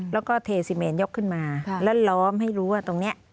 แล้วก็เทซีเมนยกขึ้นมาแล้วล้อมให้รู้ว่าตรงนี้